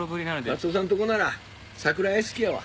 勝夫さんとこなら桜屋敷やわ。